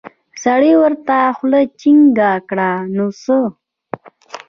سړي ورته خوله جينګه کړه نو څه.